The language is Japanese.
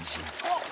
あっ！